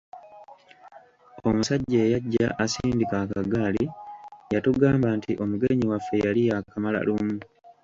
Omusajja eyajja asindika akagaali yatugamba nti omugenyi waffe yali yaakamala lumu.